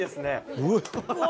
うわ。